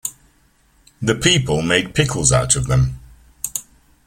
The people made pickles out of them.